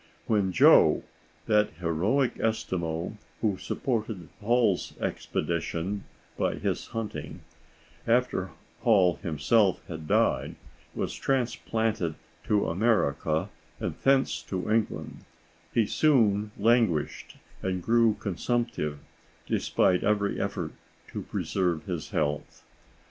When Joe, that heroic Eskimo who supported Hall's expedition by his hunting, after Hall himself had died, was transplanted to America and thence to England, he soon languished and grew consumptive, despite every effort to preserve his health.